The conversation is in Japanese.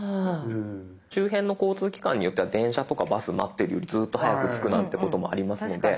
周辺の交通機関によっては電車とかバス待ってるよりずっと早く着くなんてこともありますので。